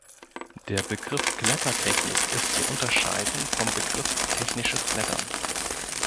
Der Begriff Klettertechnik ist zu unterscheiden vom Begriff technisches Klettern.